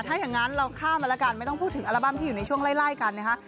ถ้าอย่างนั้นเราข้ามมาแล้วกันไม่ต้องพูดถึงอัลบั้มที่อยู่ในช่วงไล่กันนะคะ